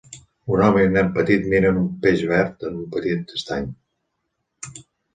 Un home i un nen petit miren un peix verd en un petit estany.